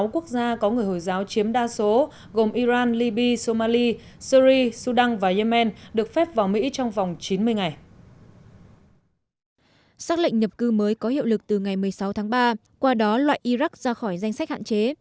qua đó loại iraq ra khỏi danh sách hạn chế